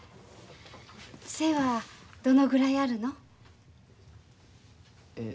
背はどのぐらいあるの？